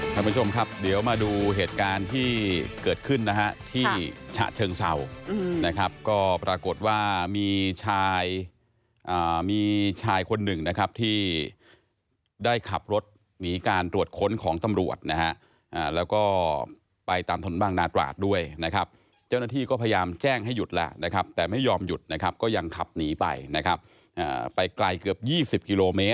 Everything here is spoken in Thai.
ท่านผู้ชมครับเดี๋ยวมาดูเหตุการณ์ที่เกิดขึ้นนะฮะที่ฉะเชิงเศร้านะครับก็ปรากฏว่ามีชายมีชายคนหนึ่งนะครับที่ได้ขับรถหนีการตรวจค้นของตำรวจนะฮะแล้วก็ไปตามถนนบางนาตราดด้วยนะครับเจ้าหน้าที่ก็พยายามแจ้งให้หยุดแล้วนะครับแต่ไม่ยอมหยุดนะครับก็ยังขับหนีไปนะครับไปไกลเกือบ๒๐กิโลเมตร